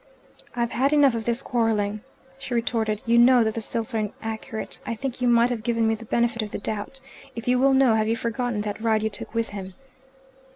"I've had enough of this quarrelling," she retorted. "You know that the Silts are inaccurate. I think you might have given me the benefit of the doubt. If you will know have you forgotten that ride you took with him?"